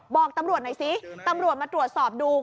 บอกตำรวจหน่อยซิตำรวจมาตรวจสอบดู